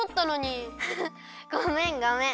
ごめんごめん。